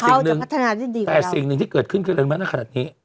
เขาจะพัฒนาดินดีกว่าเราแต่สิ่งหนึ่งที่เกิดขึ้นขึ้นเริ่มมาถ้าขนาดนี้